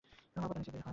মালপত্র নিচে বের কর।